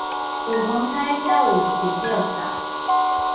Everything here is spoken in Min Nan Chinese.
有風颱才有樹葉掃